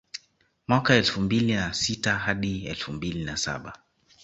Mwaka elfu mbili na sita hadi elfu mbili na saba